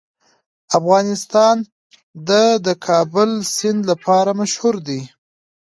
افغانستان د د کابل سیند لپاره مشهور دی.